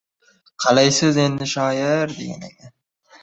— Qalaysiz endi, shoir?